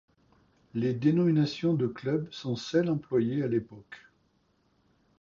Les dénominations de club sont celles employées à l'époque.